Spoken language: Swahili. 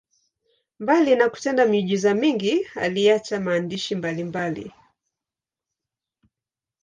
Mbali na kutenda miujiza mingi, aliacha maandishi mbalimbali.